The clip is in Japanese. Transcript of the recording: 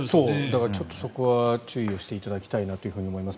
だからそこは注意していただきたいと思います。